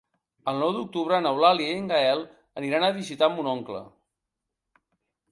El nou d'octubre n'Eulàlia i en Gaël aniran a visitar mon oncle.